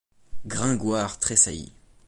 Gringoire tressaillit.